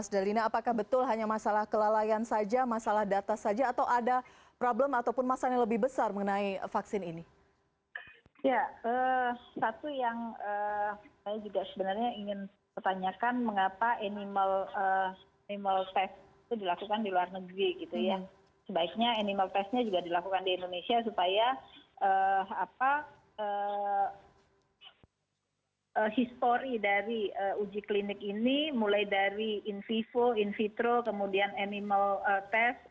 supaya history dari uji klinik ini mulai dari in vivo in vitro kemudian animal test